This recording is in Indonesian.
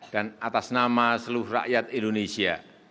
dan atas nama seluruh rakyat indonesia